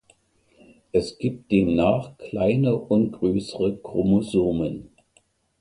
Es gibt demnach kleine und größere Chromosomen.